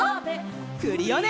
クリオネ！